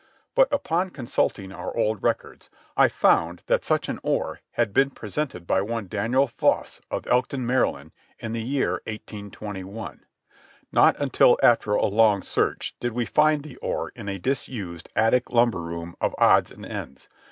"But upon consulting our old records I found that such an oar had been presented by one Daniel Foss, of Elkton, Maryland, in the year 1821. Not until after a long search did we find the oar in a disused attic lumber room of odds and ends.